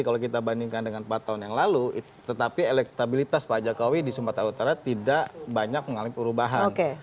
kalau kita bandingkan dengan empat tahun yang lalu tetapi elektabilitas pak jokowi di sumatera utara tidak banyak mengalami perubahan